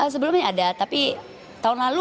sebelumnya ada tapi tahun lalu